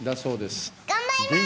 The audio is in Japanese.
頑張りまーす。